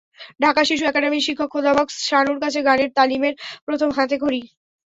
ঢাকা শিশু একাডেমির শিক্ষক খোদাবক্স সানুর কাছে গানের তালিমের প্রথম হাতেখড়ি।